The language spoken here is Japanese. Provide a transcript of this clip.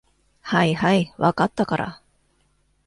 はいはい、分かったから。